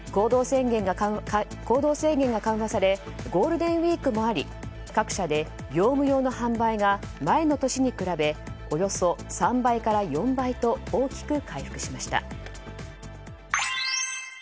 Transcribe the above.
行動制限が緩和されゴールデンウィークもあり各社で業務用の販売が前の年に比べおよそ３倍から４倍と大きく回復しました。